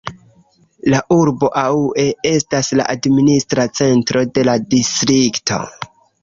La urbo Aue estas la administra centro de la distrikto.